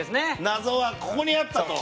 謎はここにあったと。